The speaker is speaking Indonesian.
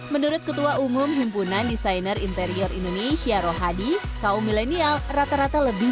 menurut ketua umum himpunan desainer interior indonesia rohadi kaum milenial rata rata lebih